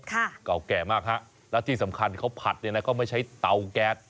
เก่าแก่มากฮะแล้วที่สำคัญเขาผัดเนี่ยนะก็ไม่ใช้เตาแก๊ส